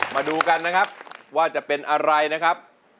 มาดูกันนะครับว่าจะเป็นอะไรนะครับ